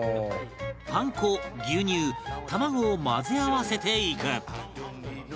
パン粉牛乳卵を混ぜ合わせていく